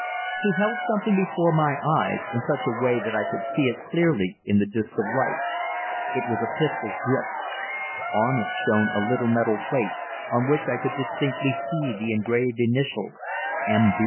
He held something before my eyes, in such a way that I could see it clearly in the disc of light. It was a pistol's grip. On it shone a little metal plate on which I could distinctly see the engraved initials "M.